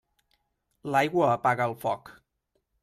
L'aigua apaga el foc.